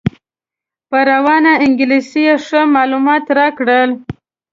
په روانه انګلیسي یې ښه معلومات راکړل.